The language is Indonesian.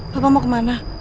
bapak mau kemana